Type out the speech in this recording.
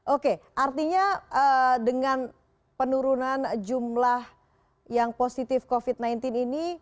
oke artinya dengan penurunan jumlah yang positif covid sembilan belas ini